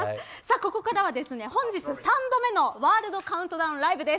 ここからは本日３度目のワールドカウントダウンＬＩＶＥです。